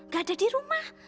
gak ada di rumah